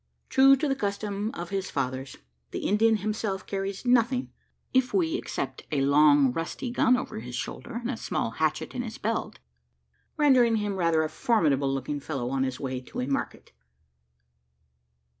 True to the custom "of his fathers," the Indian himself carries nothing if we except a long rusty gun over his shoulder, and a small hatchet in his belt: rendering him rather a formidable looking fellow on his way to a market.